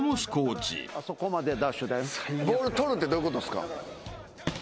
ボール取るってどういうことっすか？